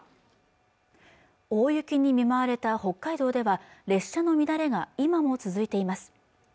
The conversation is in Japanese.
大雪に見舞われた北海道では列車の乱れが今も続いています